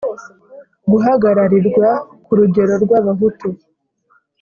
guhagararirwa ku rugero rwa bahutu